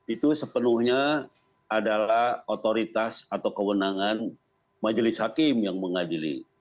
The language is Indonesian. itu sepenuhnya adalah otoritas atau kewenangan majelis hakim yang mengadili